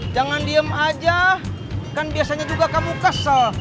jangan diem aja kan biasanya juga kamu kesel